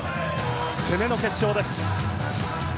攻めの決勝です。